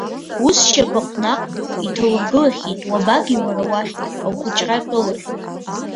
Узшьапык наҟ иҭаургылахьеит, уабагеи уара уахь, ухәыҷра атәылахь?!